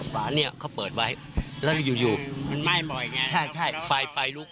ข้างนี้เขาเปิดไว้แล้วทีนี้ว่ามันไหม้มาก